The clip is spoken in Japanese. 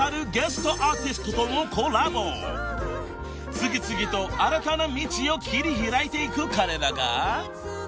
［次々と新たな道を切り開いていく彼らが］